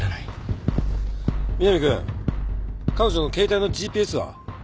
南君彼女の携帯のＧＰＳは？